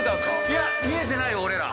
いや見えてない俺ら。